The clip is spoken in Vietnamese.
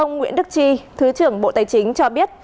ông nguyễn đức chi thứ trưởng bộ tài chính cho biết